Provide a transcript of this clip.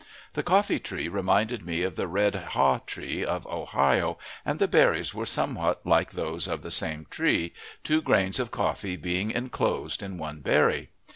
The coffee tree reminded me of the red haw tree of Ohio, and the berries were somewhat like those of the same tree, two grains of coffee being inclosed in one berry.